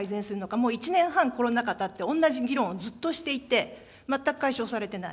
もう１年半、コロナ禍にあって同じ議論をずっとしていて、全く解消されていない。